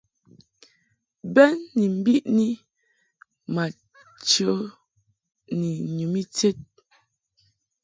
Bɛn ni mbiʼni ma chə ni nyum ited.